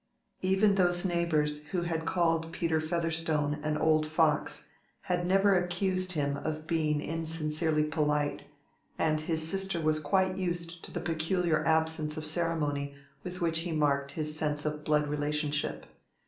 Even those neighbors who had called Peter Featherstone an old fox, had never accused him of being insincerely polite, and his sister was quite used to the peculiar absence of ceremony with which he marked his sense of blood relationship.